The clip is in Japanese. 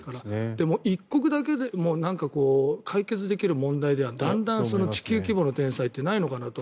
でも一国だけでも解決できる問題ではだんだん地球規模の天災ってないのかなと。